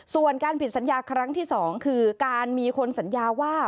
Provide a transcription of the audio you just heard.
ส่วนการผิดสัญญาครั้งที่๒คือการมีคนสัญญาว่า